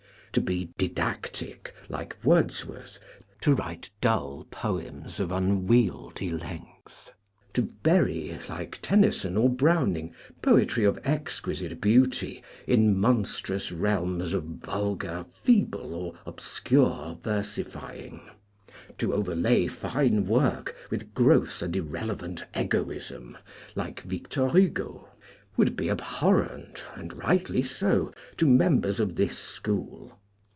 To be didactic, like Wordsworth, to write dull poems of unwieldy length, to bury, like Tennyson or Browning, poetry of exqui site beauty in monstrous realms of vulgar, feeble, or obscure versifying, to overlay fine work with gross GOLDEN JOURNEY TO SAMARKAND 239 and irrelevant egoism, like Victor Hugo, would be abhorrent, and rightly so, to members of this school.